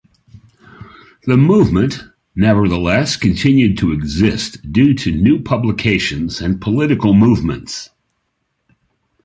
The movement nevertheless continued to exist due to new publications and political movements.